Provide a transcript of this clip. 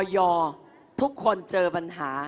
ทุกคนเจอปัญหา